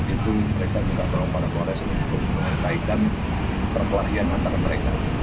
itu mereka juga ke mapol res untuk menyelesaikan perkelahian antara mereka